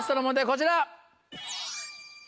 こちら。